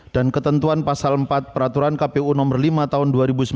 dan ketentuan pasal empat peraturan kpu nomor lima tahun dua ribu sembilan belas